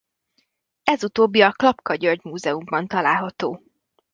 Ez utóbbi a Klapka György Múzeumban található.